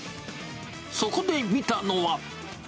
そこで見たのは。